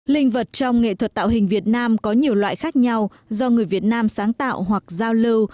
linh vật trong nghệ thuật tạo hình việt nam có nhiều loại khác nhau do người việt nam sáng tạo hoặc giao lưu